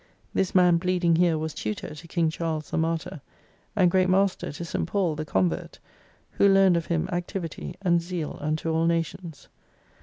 This Man bleeding here was tutor to King Charles the Martyr : and Great Master to St. Paul, the convert who learned of Him activity, and zeal unto all nations.